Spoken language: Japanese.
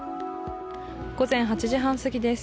午前８時半すぎです。